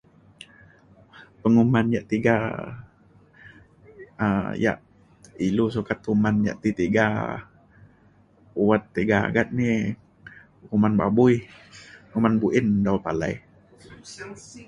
Penguman yak tiga um yak ilu sukat kuman yak ti tiga wat tiga agat ni kuman babui uman buin dau palai